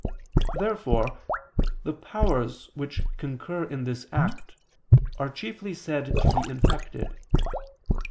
Therefore the powers which concur in this act, are chiefly said to be infected.